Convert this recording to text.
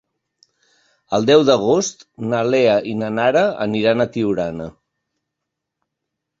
El deu d'agost na Lea i na Nara aniran a Tiurana.